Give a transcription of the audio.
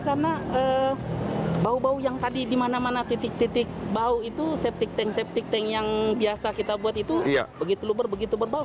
karena bau bau yang tadi di mana mana titik titik bau itu septic tank septic tank yang biasa kita buat itu begitu luber begitu berbau